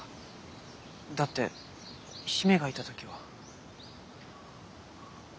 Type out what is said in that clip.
だって姫がいた時は。